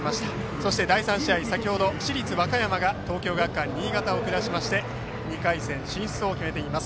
そして第３試合先程、市立和歌山が東京学館新潟を下しまして２回戦進出を決めています。